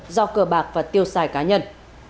do cờ bạc và tiêu xài cá nhân